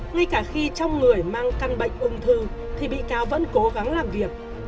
ngay cả khi trong người mang căn bệnh ung thư thì bị cáo vẫn cố gắng làm việc